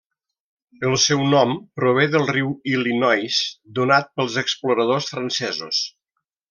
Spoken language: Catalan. El seu nom prové del riu Illinois, donat pels exploradors francesos.